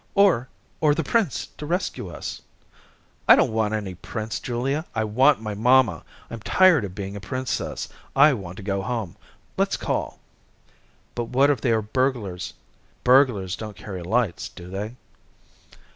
"Or or the Prince to rescue us." "I don't want any Prince; Julia. I want my mamma. I'm tired of being a Princess. I want to go home. Let's call." "But what if they are burglars." "Burglars don't carry lights, do they?"